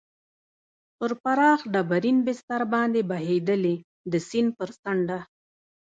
پر پراخ ډبرین بستر باندې بهېدلې، د سیند پر څنډه.